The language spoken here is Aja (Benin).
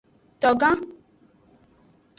Togan.